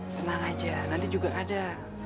tenang aja nanti juga ada